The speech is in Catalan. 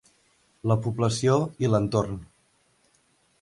La població i l'entorn.